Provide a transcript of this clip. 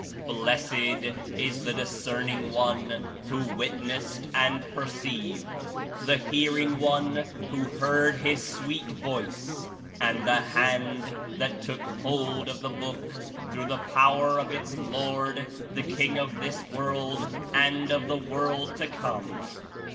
Blessed is the discerning one who witnessed and perceived, the hearing one who heard His sweet voice, and the hand that took hold of the Book through the power of its Lord, the King of this world and of the world to come!"